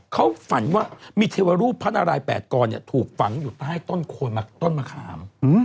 เขาฝันว่ามีเทวรูปพระนาราย๘กรถูกฝังอยู่ใต้ต้นมะขาม